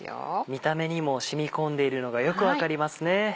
見た目にも染み込んでいるのがよく分かりますね。